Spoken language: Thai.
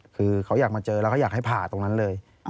คือเขาอยากมาเจอแล้วเขาอยากให้ผ่าตรงนั้นเลย